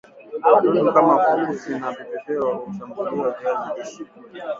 wadudu kama fukusi na vipepeo hushambulia viazi lishe